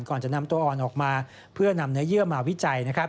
ก่อนจะนำตัวอ่อนออกมาเพื่อนำเนื้อเยื่อมาวิจัยนะครับ